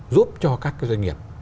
giúp cho các doanh nghiệp